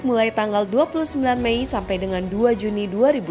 mulai tanggal dua puluh sembilan mei sampai dengan dua juni dua ribu dua puluh